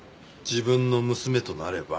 自分の娘となれば。